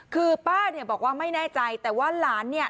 คือป้าเนี่ยบอกว่าไม่แน่ใจแต่ว่าหลานเนี่ย